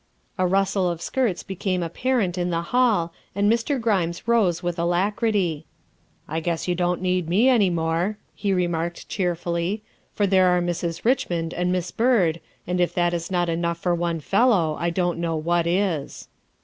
A rustle of skirts became apparent in the hall, and Mr. Grimes rose with alacrity. " I guess you don't need me any more," he remarked cheerfully, " for there are Mrs. Redmond and Miss Byrd, and if that is not enough for one fellow, I don't know what is.